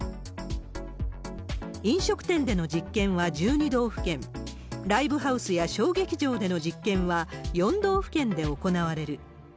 飲食店での実験は１２道府県、ライブハウスや小劇場での実験は４道府県で行われる。